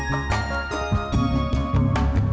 lalapan daun respong